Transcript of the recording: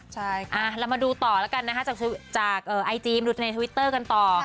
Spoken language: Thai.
ใช่เรามาดูต่อแล้วกันนะคะจากไอจีมาดูในทวิตเตอร์กันต่อ